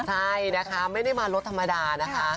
ใช่นะคะไม่ได้มารถธรรมดานะคะ